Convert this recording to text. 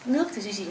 nước thì duy trì